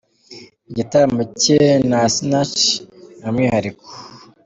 Igitaramo cye na Sinach ni umwihariko.